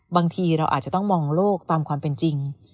บางทีเราอาจจะต้องมองโลกตามความเป็นจริง